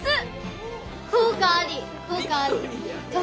効果あり！